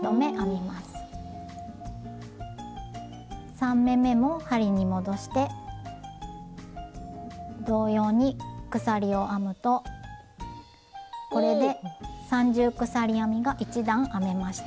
３目めも針に戻して同様に鎖を編むとこれで三重鎖編みが１段編めました。